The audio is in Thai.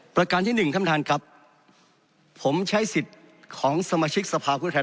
ประการที่หนึ่งท่านท่านครับผมใช้สิทธิ์ของสมาชิกสภาพผู้แทน